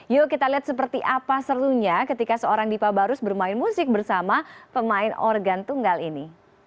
yuk kita lihat seperti apa serunya ketika seorang dipa barus bermain musik bersama pemain organ tunggal ini